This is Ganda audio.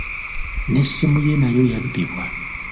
N'essimu ye nayo yabbibwa.